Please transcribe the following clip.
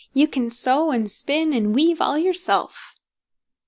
You can sew, and spin, and weave all yourself."